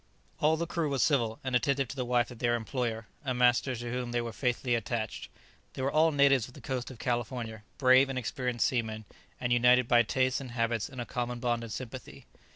All the crew were civil and attentive to the wife of their employer, a master to whom they were faithfully attached. They were all natives of the coast of California, brave and experienced seamen, and united by tastes and habits in a common bond of sympathy.